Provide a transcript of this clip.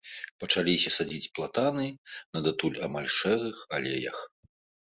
Пачаліся садзіць платаны на датуль амаль шэрых алеях.